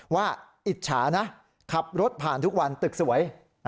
อิจฉานะขับรถผ่านทุกวันตึกสวย